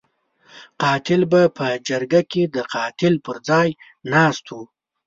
قاتل به په جرګه کې د قاتل پر ځای ناست وو.